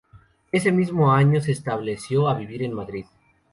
Ese mismo año se estableció a vivir en Madrid.